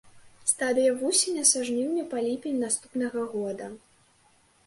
Стадыя вусеня са жніўня па ліпень наступнага года.